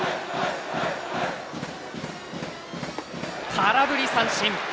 空振り三振。